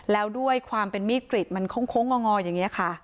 แล้วด้วยความเป็นมีดกรีดมันโค้งงออย่างนี้ค่ะ